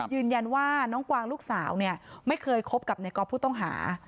ยืนยันว่าน้องกวางลูกสาวเนี่ยไม่เคยคบกับนายก๊อฟผู้ต้องหา